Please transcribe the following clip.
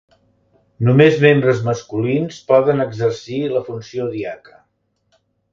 Només membres masculins poden exercir la funció diaca.